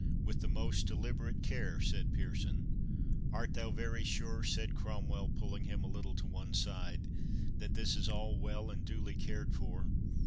"With the most deliberate care," said Pearson. "Art thou very sure," said Cromwell, pulling him a little to one side, "that this is all well and duly cared for?